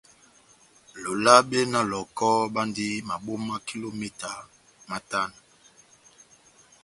Lolabe na Lɔhɔkɔ bandi maboma kilometa matano.